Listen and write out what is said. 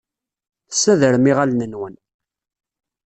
Tessadrem iɣallen-nwen.